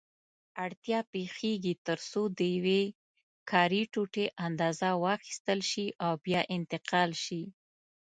اړتیا پېښېږي ترڅو د یوې کاري ټوټې اندازه واخیستل شي او بیا انتقال شي.